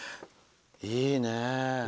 いいね。